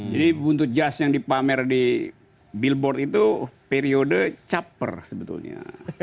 jadi buntut jas yang dipamer di billboard itu periode capres sebetulnya